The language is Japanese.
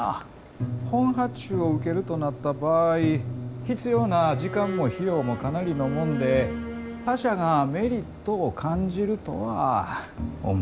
本発注を受けるとなった場合必要な時間も費用もかなりのもんで他社がメリットを感じるとは思えません。